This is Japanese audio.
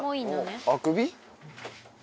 あくび？